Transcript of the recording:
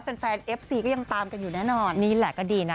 แฟนแฟนเอฟซีก็ยังตามกันอยู่แน่นอนนี่แหละก็ดีนะ